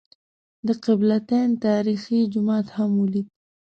د قبله تین تاریخي جومات هم ولېد.